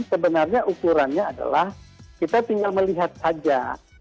sebenarnya ukurannya adalah kita tinggal melihat saja